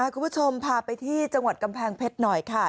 คุณผู้ชมพาไปที่จังหวัดกำแพงเพชรหน่อยค่ะ